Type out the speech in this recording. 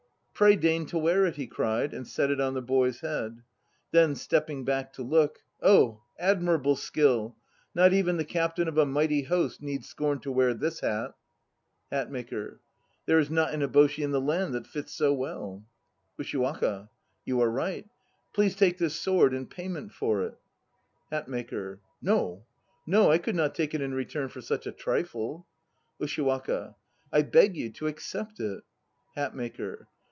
"Pray deign to wear it," he cried, and set it on the boy's head. Then, stepping back to look, "Oh admirable skill ! Not even the captain of a mighty host Need scorn to wear this hat!" HATMAKER. There is not an eboshi in the land that fits so well. USHIWAKA. You are right; please take this sword in payment for it. HATMAKER. No, no! I could not take it in return for such a trifle. USHIWAKA. I beg you to accept it. HATMAKER.